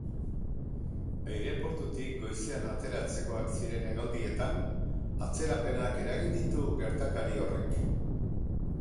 Aireportutik goizean ateratzekoak ziren hegaldietan atzerapenak eragin ditu gertakari horrek.